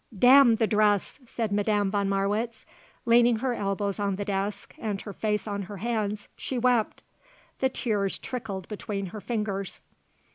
"Damn the dress!" said Madame von Marwitz. Leaning her elbows on the desk and her face on her hands, she wept; the tears trickled between her fingers.